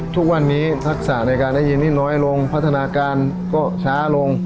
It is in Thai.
ทุกวันนี้ทักษะในการได้ยินนี่น้อยลงพัฒนาการก็ช้าลง